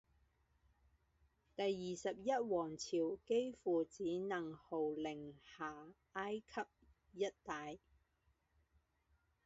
第二十一王朝几乎只能号令下埃及一带。